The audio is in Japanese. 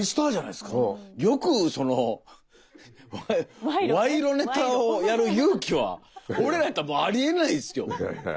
よくその賄賂ネタをやる勇気は俺らやったらもうありえないっすよ！